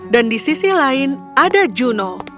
dan di sisi lain ada juno